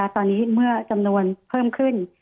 ตอนนี้เมื่อจำนวนเพิ่มขึ้น